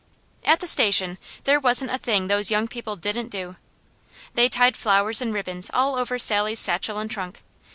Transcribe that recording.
At the station there wasn't a thing those young people didn't do. They tied flowers and ribbons all over Sally's satchel and trunk.